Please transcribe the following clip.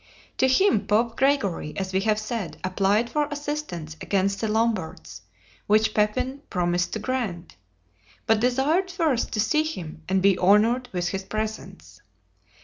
To him Pope Gregory, as we have said, applied for assistance against the Lombards, which Pepin promised to grant, but desired first to see him and be honored with his presence.